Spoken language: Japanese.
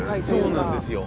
そうなんですよ。